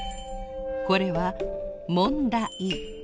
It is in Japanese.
これはもんだ「い」。